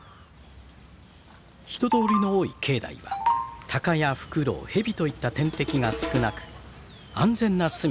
人通りの多い境内はタカやフクロウヘビといった天敵が少なく安全な住みか。